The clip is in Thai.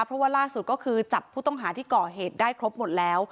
เพราะว่าล่าสุดก็คือจับผู้ต้องหาที่ก่อเหตุได้ครบหมดแล้ว